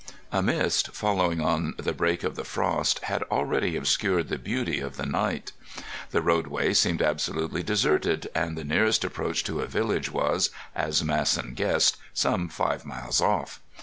A mist, following on the break of the frost, had already obscured the beauty of the night; the roadway seemed absolutely deserted, and the nearest approach to a village was, as Masson guessed, some five miles off.